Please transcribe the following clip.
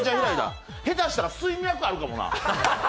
下手したら水脈あるかもな！